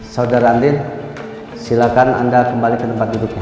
saudara andin silakan anda kembali ke tempat hidupnya